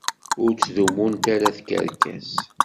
Ur ttdumunt ara tkerkas.